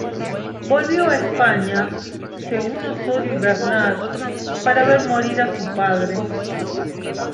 Volvió a España, según Ossorio y Bernard, para ver morir a su padre.